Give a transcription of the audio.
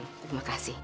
oh tidak usah ibu